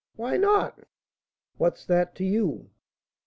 "Why not?" "What's that to you?"